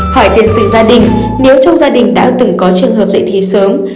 hỏi tiến sĩ gia đình nếu trong gia đình đã từng có trường hợp dạy thi sớm